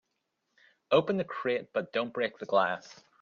Open the crate but don't break the glass.